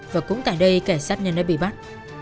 và cũng tại đây cảnh sát nhân đã bị bắt